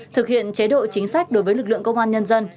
thực hiện chế độ chính sách đối với lực lượng công an nhân dân